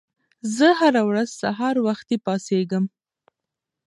زه هره ورځ سهار وختي پاڅېږم.